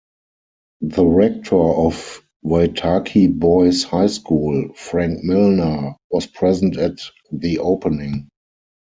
The Rector of Waitaki Boys' High School, Frank Milner, was present at the opening.